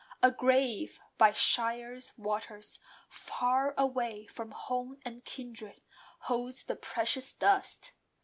A grave by Shire's Waters, far away From home and kindred, holds the precious dust.